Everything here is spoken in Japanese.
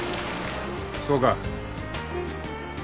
そうか。